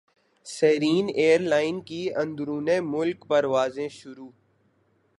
سیرین airline کی اندرون ملک پروازیں شروع